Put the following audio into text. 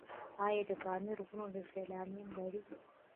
آیا د پامیر غرونه سیلانیان لري؟